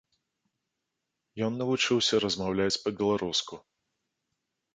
Ён навучыўся размаўляць па-беларуску.